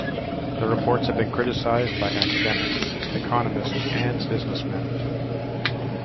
The report has been criticized by academics, economists and businessmen.